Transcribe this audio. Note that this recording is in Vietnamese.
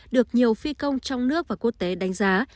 được nhiều phi công trong nước và quốc tế đánh giá